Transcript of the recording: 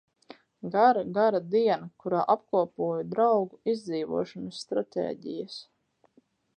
Gara, gara diena, kurā apkopoju draugu izdzīvošanas stratēģijas.